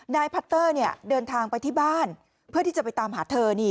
พัตเตอร์เดินทางไปที่บ้านเพื่อที่จะไปตามหาเธอ